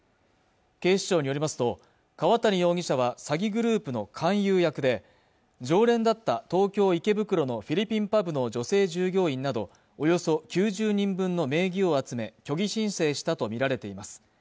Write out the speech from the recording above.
警視庁によりますと川谷容疑者は詐欺グループの勧誘役で常連だった東京池袋のフィリピンパブの女性従業員などおよそ９０人分の名義を集め虚偽申請したと見られています